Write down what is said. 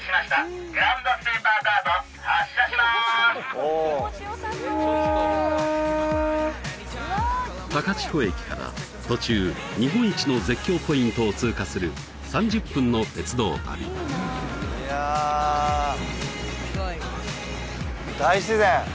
おお高千穂駅から途中日本一の絶叫ポイントを通過する３０分の鉄道旅いや大自然！